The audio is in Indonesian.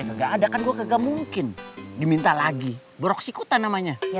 enggak ada kan gua enggak mungkin diminta lagi beroksikutan namanya ya